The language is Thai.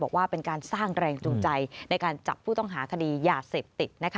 บอกว่าเป็นการสร้างแรงจูงใจในการจับผู้ต้องหาคดียาเสพติด